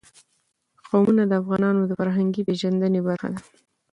قومونه د افغانانو د فرهنګي پیژندنې برخه ده.